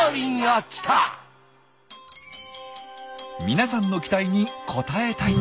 皆さんの期待に応えたい！